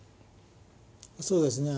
そうですね。